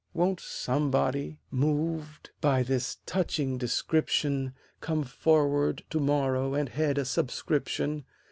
Won't somebody, moved by this touching description, Come forward to morrow and head a subscription?